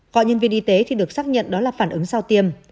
cọ nhân viên y tế thì được xác nhận đó là phản ứng sau tiêm